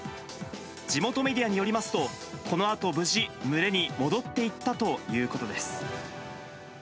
地元メディアによりますと、このあと無事、群れに戻っていったということです。